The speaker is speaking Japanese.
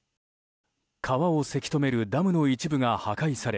川をせき止めるダムの一部が破壊され